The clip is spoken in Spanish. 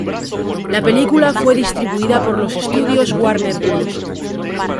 La película fue distribuida por los estudios Warner Bros.